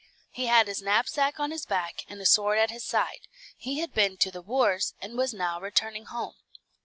He had his knapsack on his back, and a sword at his side; he had been to the wars, and was now returning home.